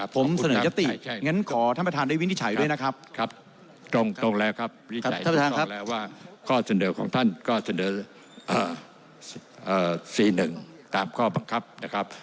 ผมเสนอยศติอย่างนั้นขอท่านประธานได้วินิจฉัยด้วยนะครับ